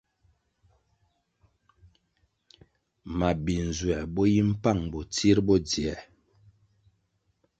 Mabi-nzuer bo yi mpang bo tsir bo dzier.